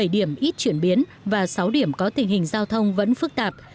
bảy điểm ít chuyển biến và sáu điểm có tình hình giao thông vẫn phức tạp